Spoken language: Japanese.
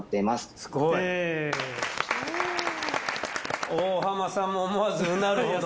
すごい。大浜さんも思わずうなるほどの。